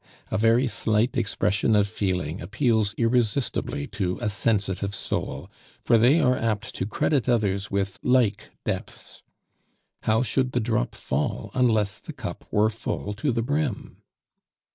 A very slight expression of feeling appeals irresistibly to a sensitive soul, for they are apt to credit others with like depths. How should the drop fall unless the cup were full to the brim?